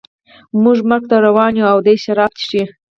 موږ مرګ ته روان یو او دی شراب څښي